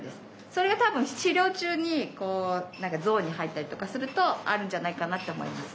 それが多分治療中にゾーンに入ったりとかするとあるんじゃないかなって思います。